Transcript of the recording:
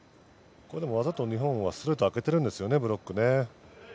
わざと日本はストレート、あけてるんですよね、ブロックね。